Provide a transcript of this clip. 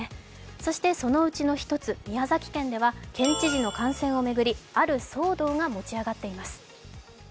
そしてそのうちの１つ、宮崎県では県知事の感染を巡りある騒動が持ち上がっています。